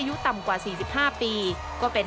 อายุต่ำกว่า๔๕ปีก็เป็น